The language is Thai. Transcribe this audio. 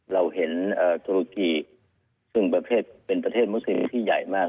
เราเห็นตุรกีซึ่งเป็นประเทศมุสือที่ใหญ่มาก